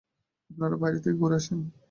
আপনারা বাইরে থেকে ঘুরে আসুন।